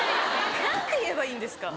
何て言えばいいんですか？